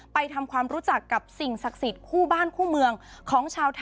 ทำความรู้จักกับสิ่งศักดิ์สิทธิ์คู่บ้านคู่เมืองของชาวไทย